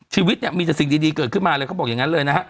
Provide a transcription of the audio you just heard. ชีวิตเนี่ยมีแต่สิ่งดีเกิดขึ้นมาเลยเขาบอกอย่างนั้นเลยนะฮะ